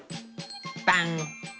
パン！